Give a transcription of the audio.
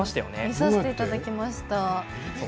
見させていただきました。